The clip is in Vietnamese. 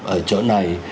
ở chỗ này